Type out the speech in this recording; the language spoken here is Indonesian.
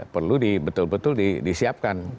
perlu betul betul disiapkan